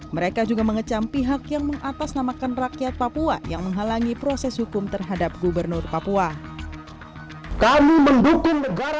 mereka juga mengecam pihak yang mengatasnamakan rakyat papua yang menghalangi proses hukum terhadap gubernur papua